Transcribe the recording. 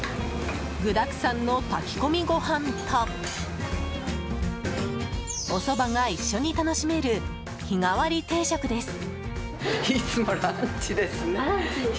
具だくさんの炊き込みご飯とおそばが一緒に楽しめる日替わり定食です。